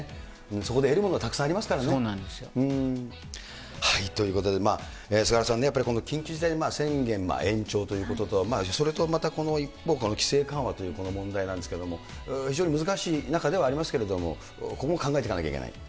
そこで得るものたくさんありますそうなんですよ。ということで、菅原さんね、やっぱりこの緊急事態宣言の延長ということと、それとまたこの一方、この規制緩和という問題なんですけれども、非常に難しい中ではありますけれども、そうですね。